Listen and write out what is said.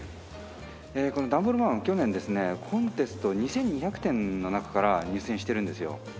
えこのダンボールマンは去年ですねコンテスト２２００点の中から入選してるんですよ。